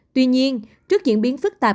tuy nhiên trước diễn biến phức tạp